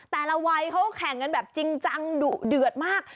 แต่ละวัยเขาก็แข่งกันแบบจริงจังดุเดือดมาก